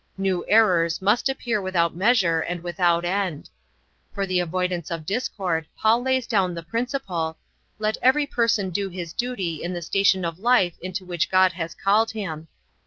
New errors must appear without measure and without end. For the avoidance of discord Paul lays down the principle: "Let every person do his duty in the station of life into which God has called him.